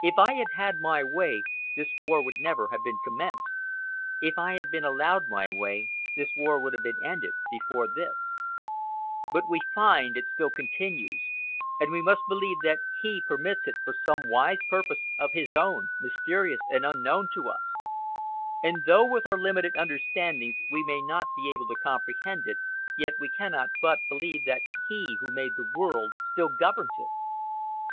If I had had my way, this war would never have been commenced. If I had been allowed my way, this war would have been ended before this; but we find it still continues, and we must believe that He permits it for some wise purpose of His own, mysterious and unknown to us; and though with our limited understandings we may not be able to comprehend it, yet we cannot but believe that He who made the world still governs it."